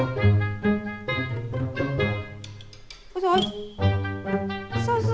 ôi trời ơi